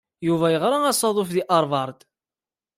Yuba yeɣra asaḍuf deg Harvard.